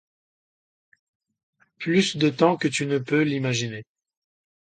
Plus de temps que tu ne peux l’imaginer.